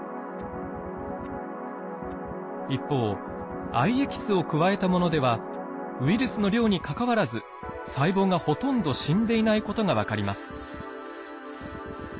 一方藍エキスを加えたものではウイルスの量にかかわらず細胞がほとんど死んでいないことが分かります。